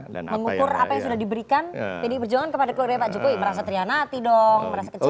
mengukur apa yang sudah diberikan pdi perjuangan kepada keluarga pak jokowi merasa terhianati dong merasa kecewa